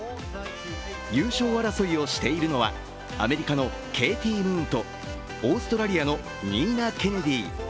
優勝争いをしているのはアメリカのケーティ・ムーンとオーストラリアのニーナ・ケネディ。